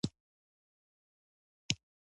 زما په لیدو عبدالله چې د تونس و په خوشالۍ غږ وکړ.